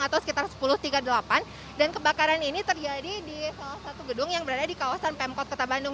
atau sekitar sepuluh tiga puluh delapan dan kebakaran ini terjadi di salah satu gedung yang berada di kawasan pemkot kota bandung